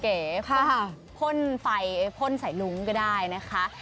เก๋ฟุ้นไฟฟุ้นไสลุ้งก็ได้นะคะ